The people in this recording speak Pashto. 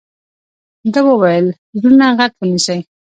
ده وويل زړونه غټ ونيسئ.